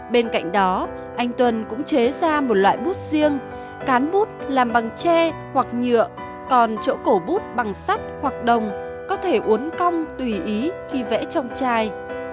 bên cạnh đó anh tuần cũng chế ra một loại bút riêng cán bút làm bằng tre hoặc nhựa còn chỗ cổ bút bằng sắt hoặc đồng có thể uốn cong tùy ý khi vẽ trong chai